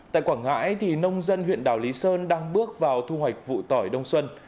tại quảng ngãi nông dân huyện đảo lý sơn đang bước vào thu hoạch vụ tỏi đông xuân